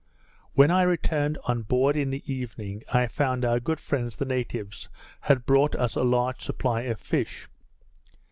When I returned on board in the evening, I found our good friends the natives had brought us a large supply of fish.